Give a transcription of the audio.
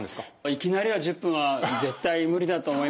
いきなりは１０分は絶対無理だと思います。